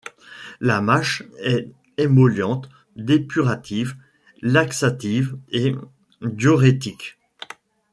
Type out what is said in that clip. La mâche est émolliente, dépurative, laxative et diurétique.